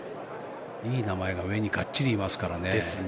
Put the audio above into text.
いい名前が上にガッチリいますからね。